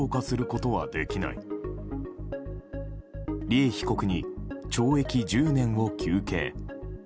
利恵被告に懲役１０年を求刑。